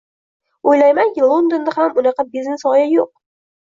Oʻylaymanki, Londonda ham unaqa biznes gʻoya yoʻq.